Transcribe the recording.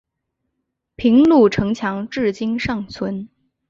平鲁城墙至今尚存。